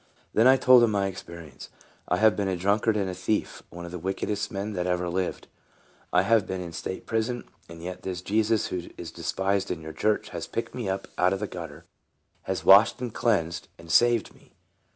Then I told him my experience. " I have been a drunkard and a thief, one of the wick edest men that ever lived. I have been in stateprison, and yet this Jesus, who is despised in your church, has picked me up out of the gutter, has washed and cleansed and saved me.